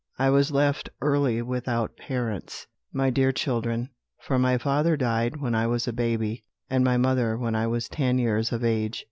"I was left early without parents, my dear children; for my father died when I was a baby, and my mother when I was ten years of age.